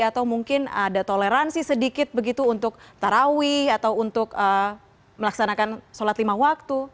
atau mungkin ada toleransi sedikit begitu untuk tarawih atau untuk melaksanakan sholat lima waktu